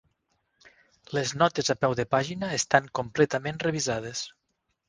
Les notes a peu de pàgina estan completament revisades.